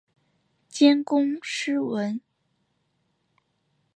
兼工诗文。